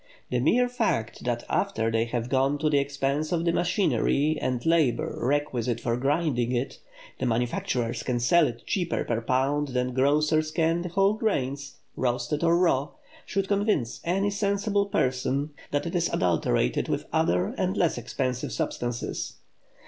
The mere fact that after they have gone to the expense of the machinery and labor requisite for grinding it, the manufacturers can sell it cheaper per pound than grocers can the whole grains, roasted or raw, should convince every sensible person that it is adulterated with other and less expensive substances.